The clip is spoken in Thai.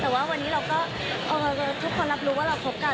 แต่ว่าวันนี้เราก็ทุกคนรับรู้ว่าเราคบกัน